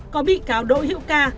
có bị cáo đỗ hiệu ca